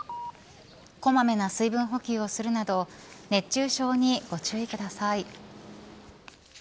こまめな水分補給をするなど熱中症にご注意ください。